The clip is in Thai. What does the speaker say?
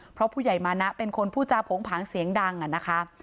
เพราะผู้ใหญ่มานะเป็นคนพูดจาโผงผางเสียงดังอะนะคะ